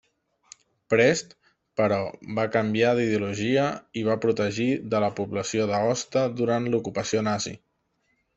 Prest, però, va canviar d'ideologia i va protegir de la població d'Aosta durant l'ocupació nazi.